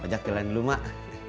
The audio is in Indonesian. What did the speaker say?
ajak jalan dulu mbak